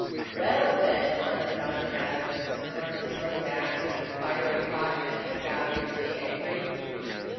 "Well," said Ormiston, as Sir Norman strode back, looking fiery hot and savagely angry.